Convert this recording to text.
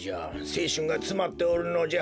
せいしゅんがつまっておるのじゃ。